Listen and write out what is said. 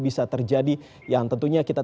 bisa terjadi yang tentunya kita